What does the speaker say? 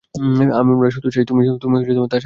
আমরা শুধু চাই তুমি তার সাথে কথা বলো।